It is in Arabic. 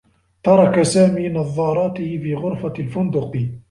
ترك سامي نظّاراته في غرفة الفندق.